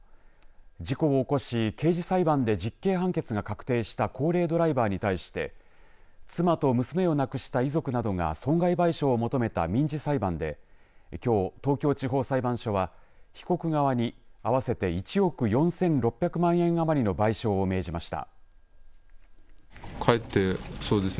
事故を起こし刑事裁判で実刑判決が確定した高齢ドライバーに対して妻と娘を亡くした遺族などが損害賠償を求めた民事裁判できょう、東京地方裁判所は被告側に合わせて１億４６００万円余りの賠償を命じました。